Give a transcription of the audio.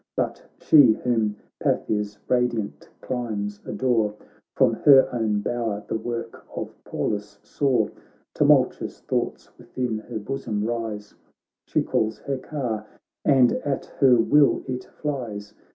But she whom Paphia's radiant climes adore From her own bower the work of Pallas saw : Tumultuous thoughts within her bosom rise, She calls her car, and at her will it flies.